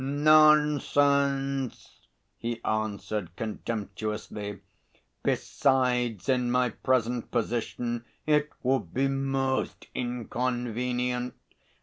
"Nonsense!" he answered contemptuously. "Besides, in my present position it would be most inconvenient.